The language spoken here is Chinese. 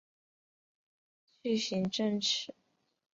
巨型羽翅鲎则发现于维吉尼亚州。